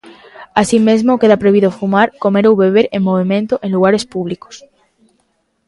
Así mesmo, queda prohibido fumar, comer ou beber "en movemento" en lugares públicos.